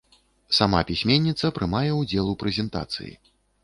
Сама пісьменніца прымае ўдзел у прэзентацыі.